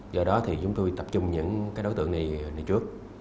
do đó thì chúng tôi tập trung những cái đối tượng này đi trước